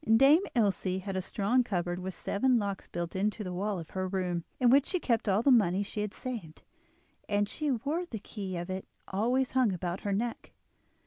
Dame Ilse had a strong cupboard with seven locks built into the wall of her room, in which she kept all the money she had saved, and she wore the key of it always hung about her neck.